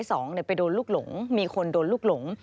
สองไปโดนลูกหลงมีคนโดนลูกหลง